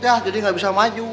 ya jadi nggak bisa maju